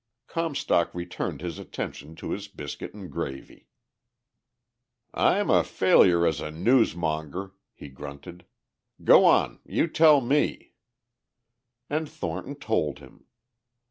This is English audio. Comstock returned his attention to his biscuit and gravy. "I'm a failure as a news monger," he grunted. "Go on. You tell me." And Thornton told him.